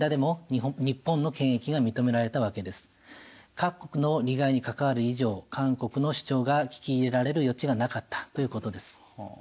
各国の利害に関わる以上韓国の主張が聞き入れられる余地がなかったということです。